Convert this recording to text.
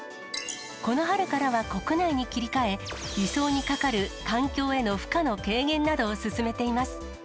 この春からは国内に切り替え、輸送にかかる環境への負荷の軽減などを進めています。